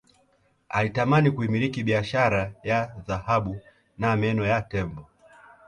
Alitamani kuimiliki biashara ya dhahabu na meno ya tembo